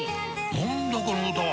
何だこの歌は！